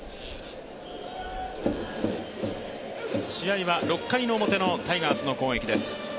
試合は６回の表のタイガースの攻撃です。